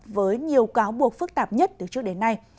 là điều cáo buộc phức tạp nhất từ trước đến nay